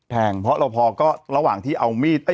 ยังไงยังไงยังไงยังไง